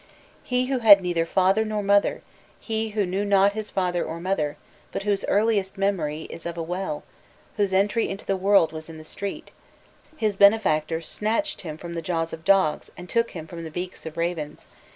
"He who had neither father nor mother, he who knew not his father or mother, but whose earliest memory is of a well whose entry into the world was in the street," his benefactor "snatched him from the jaws of dogs and took him from the beaks of ravens.